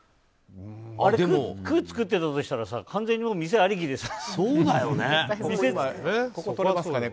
区が作ってたとしたら完全に店ありきでしょ。